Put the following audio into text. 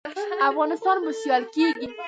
افغانستان به سیال کیږي